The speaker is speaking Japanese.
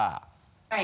はい。